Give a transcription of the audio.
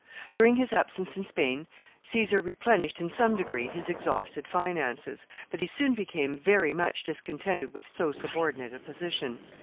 During his absence in Spain, Caesar replenished in some degree his exhausted finances, but he soon became very much discontented with so subordinate a position.